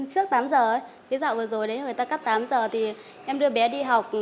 trước tám giờ cái dạo vừa rồi đấy người ta cắt tám giờ thì em đưa bé đi học